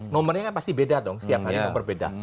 nomornya kan pasti beda dong siang hari nomor beda